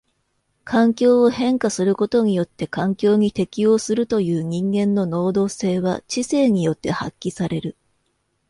環境を変化することによって環境に適応するという人間の能動性は知性によって発揮される。